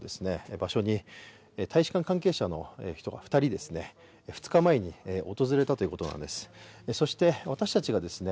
場所に大使館関係者の人が二人ですね２日前に訪れたということなんですね